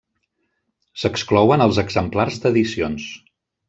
S'exclouen els exemplars d'edicions.